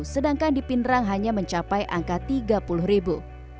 sedangkan di pindrang hanya mencapai angka tiga puluh ribu